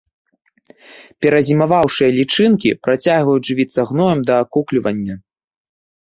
Перазімаваўшыя лічынкі працягваюць жывіцца гноем да акуклівання.